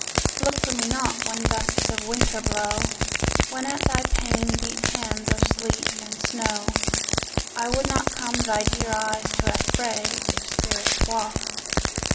Look for me not when gusts of winter blow, When at thy pane beat hands of sleet and snow;I would not come thy dear eyes to affray, If spirits walk.